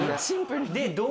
シンプルに。